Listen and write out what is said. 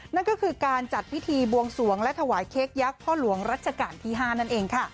นั่นก็คือการจัดพิธีบวงสวงและถวายเค้กยักษ์พ่อหลวงรัชกาลที่๕นั่นเองค่ะ